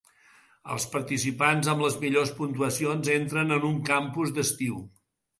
Els participants amb les millors puntuacions entren en un campus d'estiu.